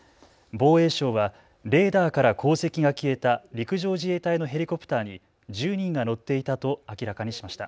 防衛省はレーダーから航跡が消えた陸上自衛隊のヘリコプターに１０人が乗っていたと明らかにしました。